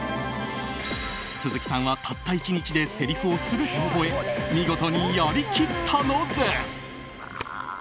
鈴木さんはたった１日でせりふを全て覚え見事にやり切ったのです。